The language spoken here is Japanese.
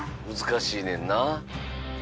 難しいねんな。